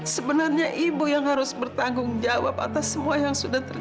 sebenarnya ibu yang harus bertanggung jawab atas semua yang sudah terjadi